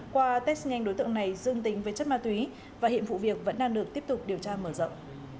qua test nhanh đối tượng này dương tính với chất ma túy và hiện vụ việc vẫn đang được tiếp tục điều tra mở rộng